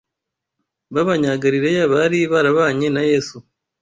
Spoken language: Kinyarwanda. b’Abanyagalileya bari barabanye na Yesu